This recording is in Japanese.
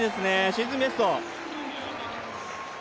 シーズンベスト。